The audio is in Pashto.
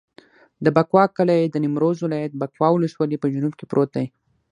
د بکوا کلی د نیمروز ولایت، بکوا ولسوالي په جنوب کې پروت دی.